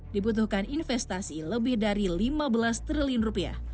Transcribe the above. dibutuhkan investasi lebih dari lima belas triliun rupiah